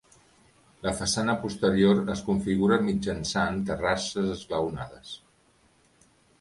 La façana posterior es configura mitjançant terrasses esglaonades.